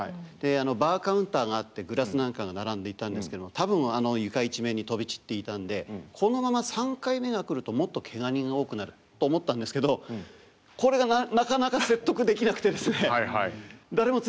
バーカウンターがあってグラスなんかが並んでいたんですけど多分あの床一面に飛び散っていたんでこのまま３回目が来るともっとけが人が多くなると思ったんですけどこれがなかなか説得できなくてですね